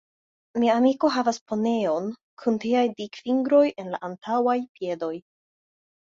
Mia amiko havas poneon kun tiaj dikfingroj en la antaŭaj piedoj.